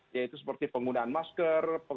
yaitu seperti penggunaan masker